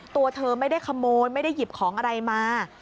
ตัวเธอไม่ได้ขโมยไม่ได้หยิบของอะไรมา